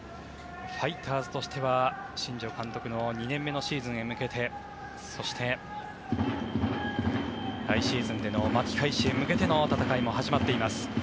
ファイターズとしては新庄監督の２年目のシーズンへ向けてそして来シーズンでの巻き返しへ向けての戦いも始まっています。